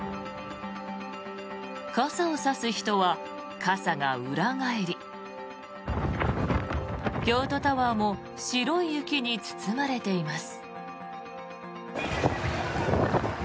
傘を差す人は傘が裏返り京都タワーも白い雪に包まれています。